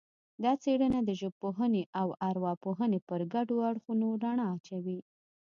دا څېړنه د ژبپوهنې او ارواپوهنې پر ګډو اړخونو رڼا اچوي